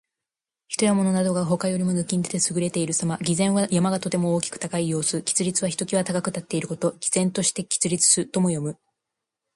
人や物などが、他よりも抜きん出て優れているさま。「巍然」は山がとても大きく高い様子。「屹立」は一際高く立っていること。「巍然として屹立す」とも読む。